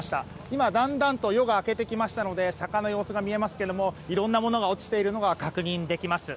今、だんだんと夜が明けてきましたので坂の様子が見えますがいろんなものが落ちているのが確認できます。